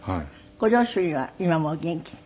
ご両親は今もお元気で？